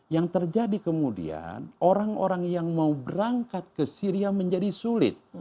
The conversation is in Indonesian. yang terjadi kemudian orang orang yang mau berangkat ke syria menjadi sulit